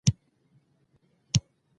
څوک پوهیږېي